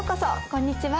こんにちは。